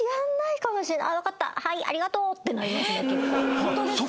ホントですか？